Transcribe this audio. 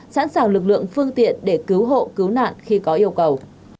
sẵn sàng lực lượng phương tiện để cứu hộ cứu nạn khi có yêu cầu